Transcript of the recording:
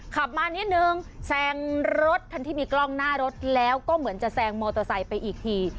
ขับมานิดนึงแซงรถคันที่มีกล้องหน้ารถแล้วก็เหมือนจะแซงมอเตอร์ไซค์ไปอีกที